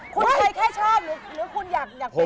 คุณเคยแค่ชอบหรือคุณอยากเป็น